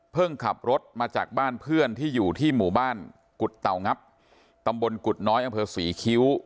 ขับรถมาจากบ้านเพื่อนที่อยู่ที่หมู่บ้านกุฎเตางับตำบลกุฎน้อยอำเภอศรีคิ้ว